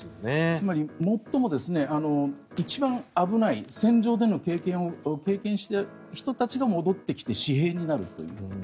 つまり最も、一番危ない戦場での経験をしている人たちが戻ってきて私兵になるという。